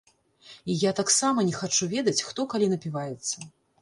І я таксама не хачу ведаць, хто калі напіваецца.